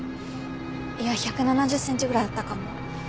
いや１７０センチぐらいあったかも。